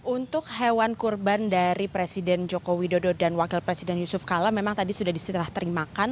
untuk hewan kurban dari presiden joko widodo dan wakil presiden yusuf kala memang tadi sudah diserah terimakan